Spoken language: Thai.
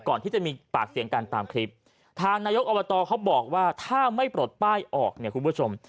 ก่อนที่จะมีปากเสียงกันตามคลิปทางนายกอบตเขาบอกว่าถ้าไม่ปลดป้ายออกเนี่ยคุณผู้ชม